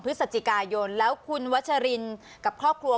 พฤศจิกายนแล้วคุณวัชรินกับครอบครัว